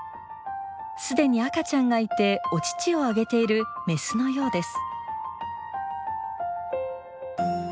すでに赤ちゃんがいてお乳をあげているメスのようです。